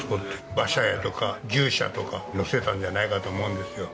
馬車屋とか牛舎とか乗せたんじゃないかと思うんですよ。